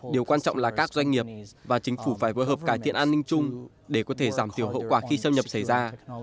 điều quan trọng là các doanh nghiệp và chính phủ phải phối hợp cải thiện an ninh chung để có thể giảm thiểu hậu quả khi xâm nhập xảy ra